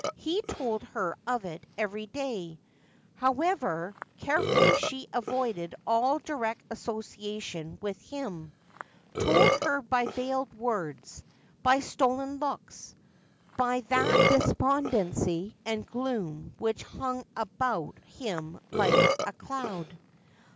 He told her of it every day, however carefully she avoided all direct association with him : told her by veiled words, by stolen looks, by that despondency and gloom which hung about him like a cloud.